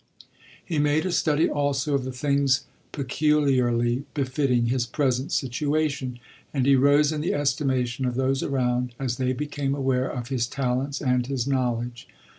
He made a study, also, of the things peculiarly befitting his present situation; and he rose in the esti mation of those around, as they became aware of his talents and his knowledge.